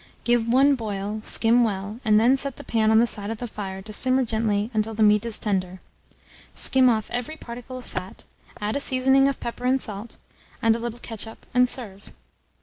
Give one boil, skim well, and then set the pan on the side of the fire to simmer gently until the meat is tender. Skim off every particle of fat, add a seasoning of pepper and salt, and a little ketchup, and serve.